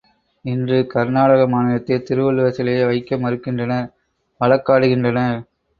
இன்று கர்நாடக மாநிலத்தில் திருவள்ளுவர் சிலையை வைக்க மறுக்கின்றனர் வழக்காடுகின்றனர்.